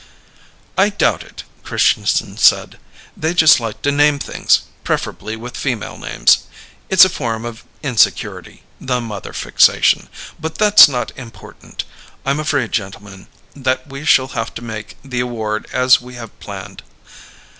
"I doubt it," Christianson said. "They just like to name things preferably with female names. It's a form of insecurity, the mother fixation. But that's not important. I'm afraid, gentlemen, that we shall have to make the award as we have planned.